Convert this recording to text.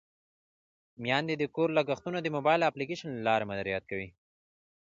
میندې د کور لګښتونه د موبایل اپلیکیشن له لارې مدیریت کوي.